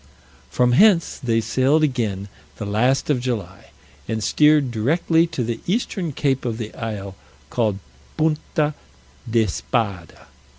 From hence they sailed again the last of July, and steered directly to the eastern cape of the isle called Punta d'Espada.